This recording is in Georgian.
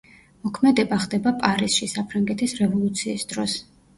მოქმედება ხდება პარიზში საფრანგეთის რევოლუციის დროს.